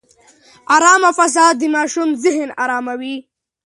ارامه فضا د ماشوم ذهن اراموي.